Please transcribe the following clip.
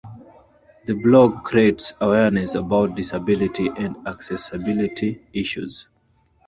The blog creates awareness about disability and accessibility issues.